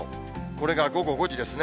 これが午後５時ですね。